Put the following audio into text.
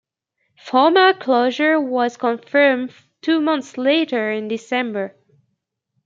Formal closure was confirmed two months later in December.